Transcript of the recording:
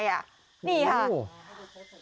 ดัดแปลมาจากจานดาวเทียม